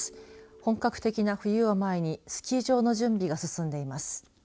本格的な冬を前にスキー場の準備が進んでいます。